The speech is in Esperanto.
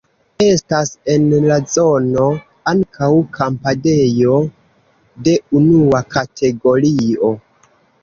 Estas en la zono ankaŭ kampadejo de unua kategorio.